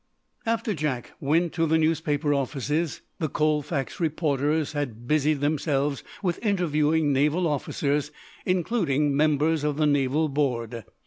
After Jack went to the newspaper offices the Colfax reporters had busied themselves with interviewing naval officers, including members of the naval board.